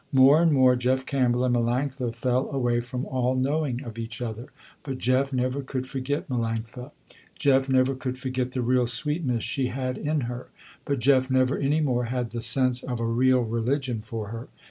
More and more Jeff Campbell and Melanctha fell away from all knowing of each other, but Jeff never could forget Melanctha. Jeff never could forget the real sweetness she had in her, but Jeff never any more had the sense of a real religion for her.